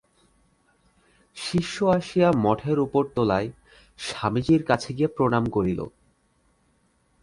শিষ্য আসিয়া মঠের উপর তলায় স্বামীজীর কাছে গিয়া প্রণাম করিল।